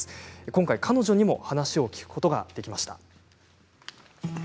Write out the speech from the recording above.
今回、彼女にも話を聞くことができました。